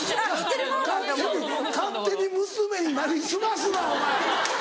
勝手に勝手に娘に成り済ますなお前。